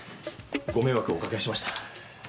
ご迷惑をおかけしました。